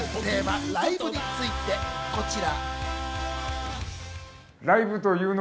ライブについて、こちら。